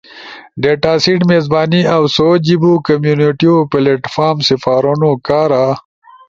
ڈیٹاسیٹ میزبانی اؤ سو جیبو کمیونٹیو پلیٹ فارم سپارونو کارا